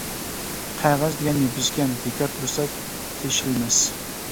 قەغەز دېگەن نېپىزكەن، بىكار تۇرسا تېشىلمەس.